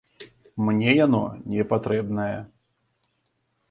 Мне яно не патрэбнае.